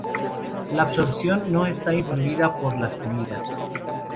La absorción no está influida por las comidas.